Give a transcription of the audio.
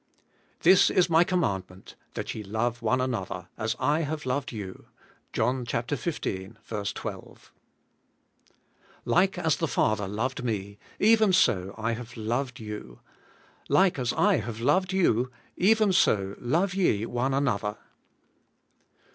' This is my commandment, That ye love one another, as I have loved you. '— John xv. 12. ^T IKE AS the Father loved me, even so I have Li loved you; like as I have loved you, even so love ye one another.'